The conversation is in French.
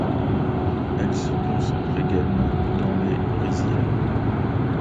Elle se rencontre également dans les rizières.